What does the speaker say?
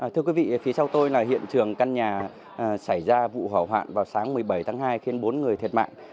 thưa quý vị phía sau tôi là hiện trường căn nhà xảy ra vụ hỏa hoạn vào sáng một mươi bảy tháng hai khiến bốn người thiệt mạng